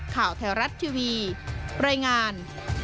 ข่าวแถวรัฐทีวีรายงาน